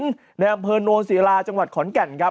ในแหน่งเผินนโลศีลาจังหวัดขอนแก่นครับ